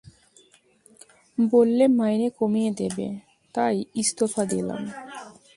বললে মাইনে কমিয়ে দেবে, তাই ইস্তফা দিলাম।